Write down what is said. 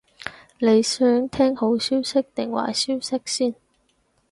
你想聽好消息定壞消息先？